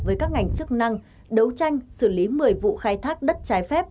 với các ngành chức năng đấu tranh xử lý một mươi vụ khai thác đất trái phép